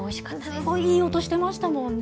すごいいい音してましたもんね。